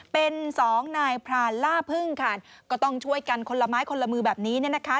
เป็นสองนายพรานล่าพึ่งค่ะก็ต้องช่วยกันคนละไม้คนละมือแบบนี้เนี่ยนะคะ